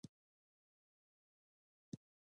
زیان څنګه مخنیوی کړو؟